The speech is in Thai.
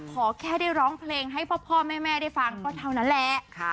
ขอแค่ได้ร้องเพลงให้พ่อแม่ได้ฟังก็เท่านั้นแหละ